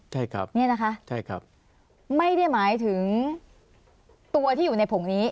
ใช่ครับใช่ครับนี่นะคะไม่ได้หมายถึงตัวที่อยู่ในผงนี้